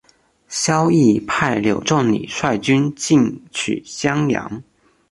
萧绎派柳仲礼率军进取襄阳。